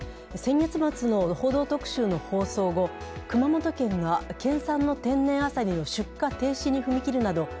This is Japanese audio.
先月末の「報道特集」の放送後熊本県が県産の天然アサリの出荷停止に踏み切るなど